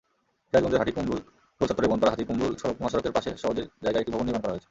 সিরাজগঞ্জের হাটিকুমরুল গোলচত্বরে বনপাড়া-হাটিকুমরুল মহাসড়কের পাশে সওজের জায়গায় একটি ভবন নির্মাণ করা হয়েছে।